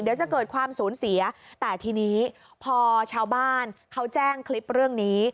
เดี๋ยวจะเกิดความสูญเสียแต่ทีนี้พอชาวบ้านเขาแจ้งคลิปเรื่องนี้